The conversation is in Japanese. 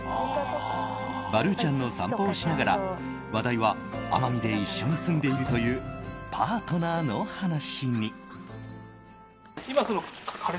バルーちゃんの散歩をしながら話題は、奄美で一緒に住んでいるというパートナーの話に。